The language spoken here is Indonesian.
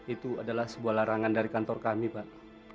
itu adalah sebuah larangan dari kantor kami pak